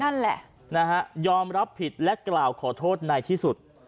นั่นแหละนะฮะยอมรับผิดและกล่าวขอโทษในที่สุด